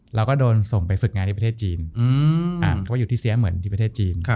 เราก็โดนส่งไปฝึกงานที่ประเทศจีนก็อยู่ที่เสียเหมือนที่ประเทศจีน